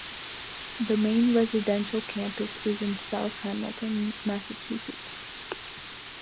The main residential campus is in South Hamilton, Massachusetts.